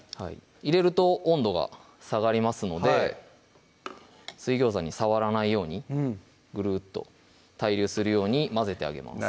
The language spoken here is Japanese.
入れると温度が下がりますので水餃子に触らないようにグルッと対流するように混ぜてあげます